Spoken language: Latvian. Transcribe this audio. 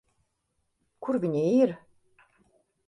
Kur viņi ir?